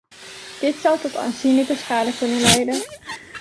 Dit zou tot aanzienlijke schade kunnen leiden.